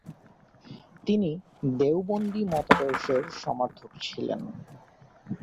তিনি দেওবন্দি মতাদর্শের সমর্থক ছিলেন।